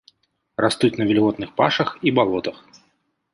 Растуць на вільготных пашах і балотах.